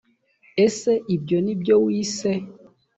ese ibyo ni byo wise